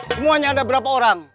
semuanya ada berapa orang